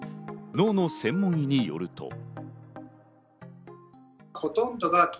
脳の専門医によると。